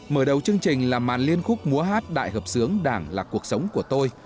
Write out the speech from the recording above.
mở đầu chương trình là màn liên khúc múa hát đại hợp sướng đảng là cuộc sống của tôi